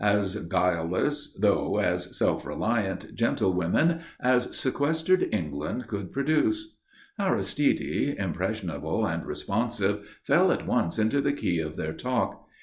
As guileless, though as self reliant, gentlewomen as sequestered England could produce. Aristide, impressionable and responsive, fell at once into the key of their talk.